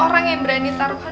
orang yang berani taruhkan